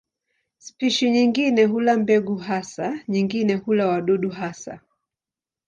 Spishi nyingine hula mbegu hasa, nyingine hula wadudu hasa.